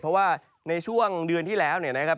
เพราะว่าในช่วงเดือนที่แล้วเนี่ยนะครับ